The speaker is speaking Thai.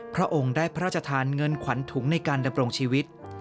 พระองค์ได้พระราชทานเงินขวัญถุงในการดำรงชีวิต